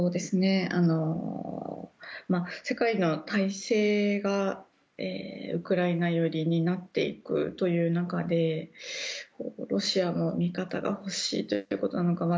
世界の大勢がウクライナ寄りになっていくという中でロシアも味方が欲しいということなのかな。